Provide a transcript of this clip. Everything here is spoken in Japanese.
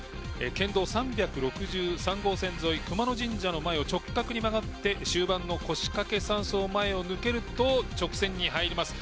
県道３６３号線沿い熊野神社の前を直角に曲がって終盤の腰掛山荘前を抜けると直線に入ります。